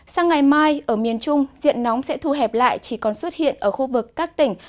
sang ngày mai ở miền trung diện nóng sẽ thu hẹp lại chỉ còn xuất hiện ở khu vực các tỉnh